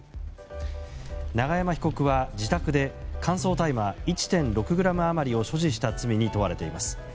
永山被告は自宅で乾燥大麻１．６ｇ余りを所持した罪に問われています。